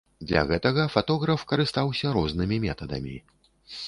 Для гэтага фатограф карыстаўся рознымі метадамі.